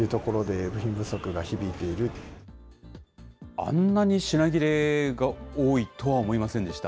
あんなに品切れが多いとは思いませんでした。